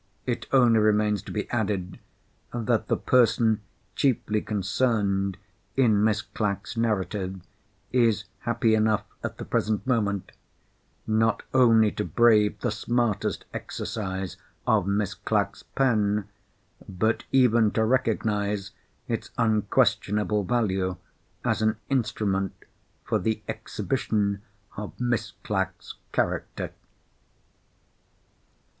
It only remains to be added that "the person chiefly concerned" in Miss Clack's narrative, is happy enough at the present moment, not only to brave the smartest exercise of Miss Clack's pen, but even to recognise its unquestionable value as an instrument for the exhibition of Miss Clack's character.